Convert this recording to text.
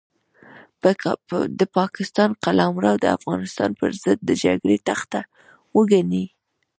د پاکستان قلمرو د افغانستان پرضد د جګړې تخته وګڼي.